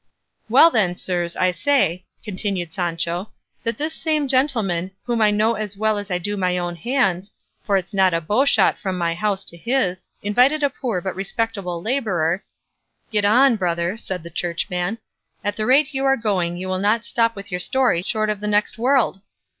"Well then, sirs, I say," continued Sancho, "that this same gentleman, whom I know as well as I do my own hands, for it's not a bowshot from my house to his, invited a poor but respectable labourer—" "Get on, brother," said the churchman; "at the rate you are going you will not stop with your story short of the next world."